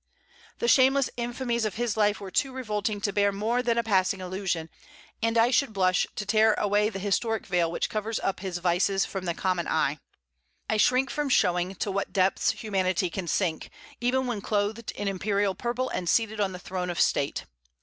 The shameless infamies of his life were too revolting to bear more than a passing allusion; and I should blush to tear away the historic veil which covers up his vices from the common eye. I shrink from showing to what depths humanity can sink, even when clothed in imperial purple and seated on the throne of state.